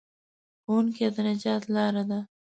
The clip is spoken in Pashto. ښوونه د نجات لاره ده.